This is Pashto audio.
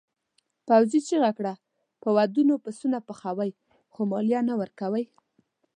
پوځي چیغه کړه په ودونو پسونه پخوئ خو مالیه نه ورکوئ.